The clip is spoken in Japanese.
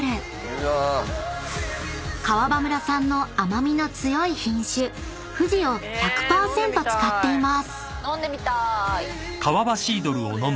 ［川場村産の甘味の強い品種ふじを１００％使っています］